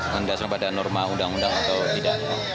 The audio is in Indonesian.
berdasarkan pada norma undang undang atau tidak